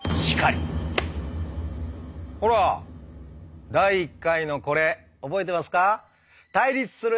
ほら第１回のこれ覚えてますか？